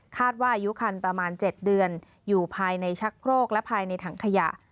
ว่าอายุคันประมาณ๗เดือนอยู่ภายในชักโครกและภายในถังขยะ